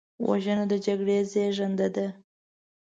وژنه د جګړې زیږنده ده